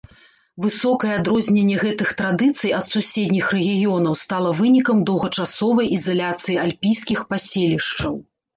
Высокае адрозненне гэтых традыцый ад суседніх рэгіёнаў стала вынікам доўгачасовай ізаляцыі альпійскіх паселішчаў.